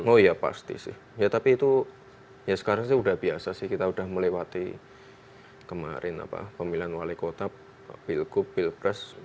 oh ya pasti sih ya tapi itu ya sekarang sih udah biasa sih kita udah melewati kemarin pemilihan wali kota pilgub pilpres